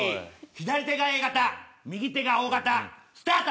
左手がＡ型右手がＯ型スタート。